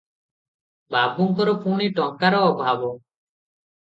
ବାବୁଙ୍କର ପୁଣି ଟଙ୍କାର ଅଭାବ?